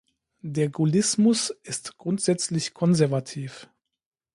Der Gaullismus ist grundsätzlich konservativ.